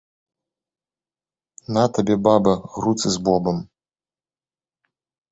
На табе, баба, груцы з бобам!